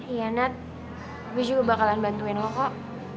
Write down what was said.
iya nat gue juga bakalan bantuin lo kok